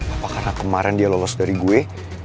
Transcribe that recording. apa karena kemarin dia lolos dari gue